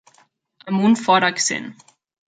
Amb un fort accent.